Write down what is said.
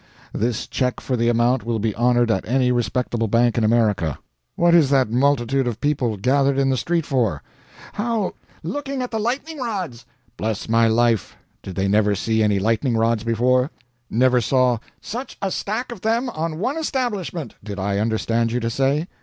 This check for the amount will be honored at any respectable bank in America. What is that multitude of people gathered in the street for? How? 'looking at the lightning rods!' Bless my life, did they never see any lightning rods before? Never saw 'such a stack of them on one establishment,' did I understand you to say?